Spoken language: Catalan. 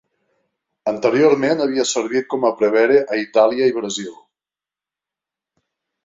Anteriorment, havia servit com a prevere a Itàlia i Brasil.